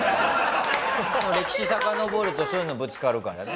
歴史さかのぼるとそういうのぶつかるからね。